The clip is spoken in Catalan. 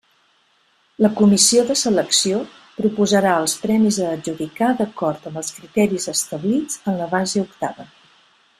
La comissió de selecció proposarà els premis a adjudicar d'acord amb els criteris establits en la base octava.